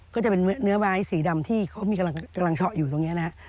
ก็จะเป็นเนื้อไม้สีดำที่เขามีกำลังเฉาะอยู่ตรงนี้นะฮะ